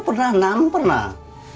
pernah enam pernah